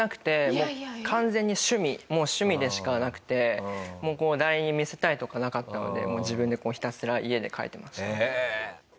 もう完全に趣味趣味でしかなくて誰に見せたいとかなかったので自分でひたすら家で描いてました。